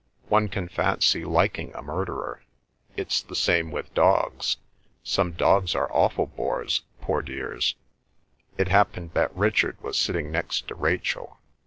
"One can fancy liking a murderer. It's the same with dogs. Some dogs are awful bores, poor dears." It happened that Richard was sitting next to Rachel.